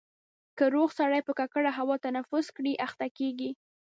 که روغ سړی په ککړه هوا تنفس کړي اخته کېږي.